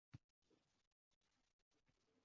O‘z-o‘zidan bu narsa oila tinchligiga rahna soladi.